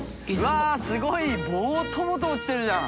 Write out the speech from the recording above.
わぁすごいボトボト落ちてるじゃん。